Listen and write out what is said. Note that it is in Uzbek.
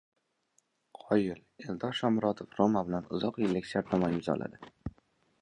Qoyil! Eldor Shomurodov "Roma"bilan uzoq yillik shartnoma imzolaydi